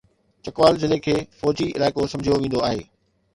چکوال ضلعي کي فوجي علائقو سمجهيو ويندو آهي.